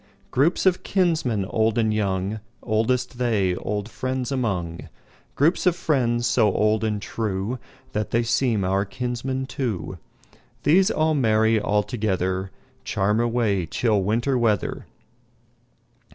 Groups of kinsmen, old and young, Oldest they old friends among; Groups of friends, so old and trueThat they seem our kinsmen too; These all merry all togetherCharm away chill Winter weather.